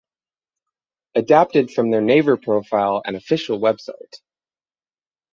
Adapted from their Naver profile and official website.